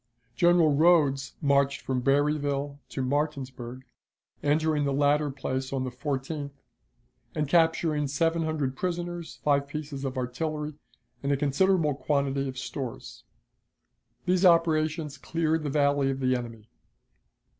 General Rodes marched from Berryville to Martinsburg, entering the latter place on the 14th, and capturing seven hundred prisoners, five pieces of artillery, and a considerable quantity of stores. These operations cleared the Valley of the enemy.